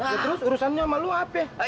lihat terus urusannya sama lo apa ya